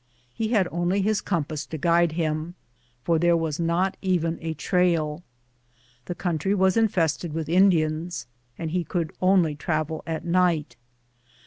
He had only his compass to guide him, for there was not even a trail. The country was infested with Indians, and he could only travel at night.